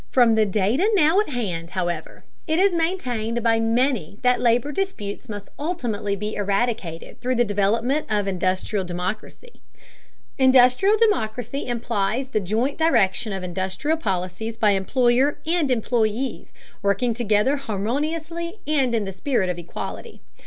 From the data now at hand, however, it is maintained by many that labor disputes must ultimately be eradicated through the development of industrial democracy. Industrial democracy implies the joint direction of industrial policies by employer and employees, working together harmoniously and in the spirit of equality.